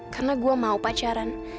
karena gue mau pacaran